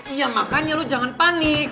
iya makanya lu jangan panik